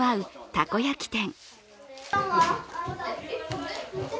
たこ焼き店。